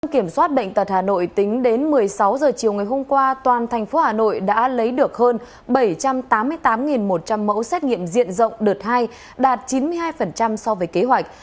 kiểm soát bệnh tật hà nội tính đến một mươi sáu h chiều ngày hôm qua toàn thành phố hà nội đã lấy được hơn bảy trăm tám mươi tám một trăm linh mẫu xét nghiệm diện rộng đợt hai đạt chín mươi hai so với kế hoạch